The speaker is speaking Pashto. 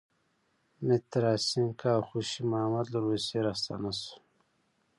متراسینکه او خوشی محمد له روسیې راستانه شول.